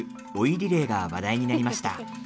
リレーが話題になりました。